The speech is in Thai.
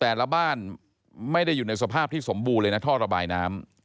แต่ละบ้านไม่ได้อยู่ในสภาพที่สมบูรณ์เลยนะท่อระบายน้ำ